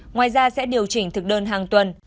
ngoài ra sẽ điều chỉnh thực đơn hàng tuần